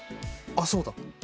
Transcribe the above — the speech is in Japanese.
あっそうだ！